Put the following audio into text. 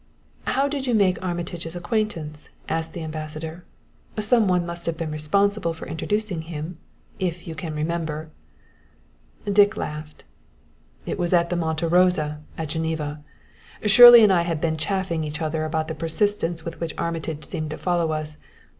"How did you make Armitage's acquaintance?" asked the Ambassador. "Some one must have been responsible for introducing him if you can remember." Dick laughed. "It was in the Monte Rosa, at Geneva. Shirley and I had been chaffing each other about the persistence with which Armitage seemed to follow us.